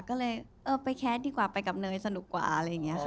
ก็เลยเออไปแคสดีกว่าไปกับเนยสนุกกว่าอะไรอย่างนี้ค่ะ